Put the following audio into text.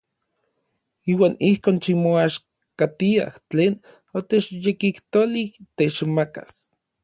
Iuan ijkon kimoaxkatiaj tlen otechyekijtolij techmakas.